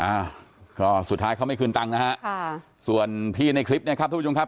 อ่าก็สุดท้ายเขาไม่คืนตังค์นะฮะค่ะส่วนพี่ในคลิปเนี่ยครับทุกผู้ชมครับ